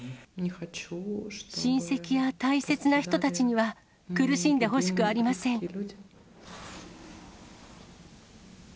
親戚や大切な人たちには、苦しんでほしくありません。